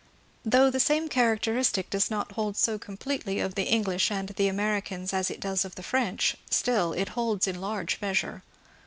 Though the same characteristic does not hold so completely of the English and the Americans as it does of the French, still it holds in large measure.